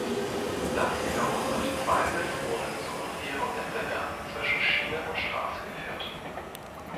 Das wiederum hat zweifelsohne zu unfairem Wettbewerb zwischen Schiene und Straße geführt.